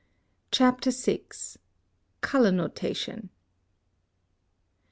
CHAPTER VI. COLOR NOTATION.